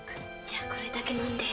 じゃこれだけ飲んで。